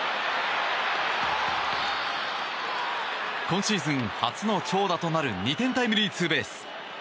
今シーズン初の長打となる２点タイムリーツーベース。